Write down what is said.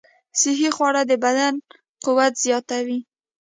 صحي خواړه د بدن قوت زیاتوي.